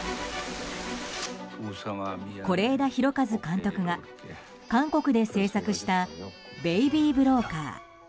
是枝裕和監督が韓国で制作した「ベイビー・ブローカー」。